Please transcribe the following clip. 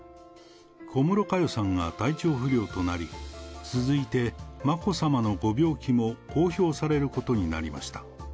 小室佳代さんが体調不良となり、続いて眞子さまのご病気も公表されることになりました。